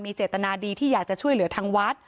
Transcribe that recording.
เจตนาดีที่อยากจะช่วยเหลือทางวัด